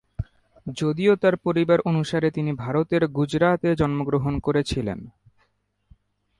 যদিও তার পরিবার অনুসারে তিনি ভারতের গুজরাটে জন্মগ্রহণ করেছিলেন।